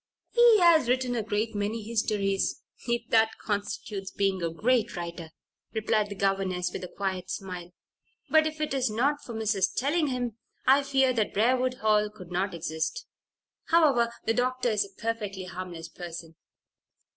"He has written a great many histories if that constitutes being a great writer," replied the governess, with a quiet smile. "But if it was not for Mrs. Tellingham I fear that Briarwood Hall could not exist. However, the doctor is a perfectly harmless person."